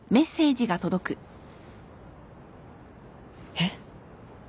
えっ？